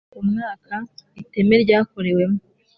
Umwaka iteme ryakorewemo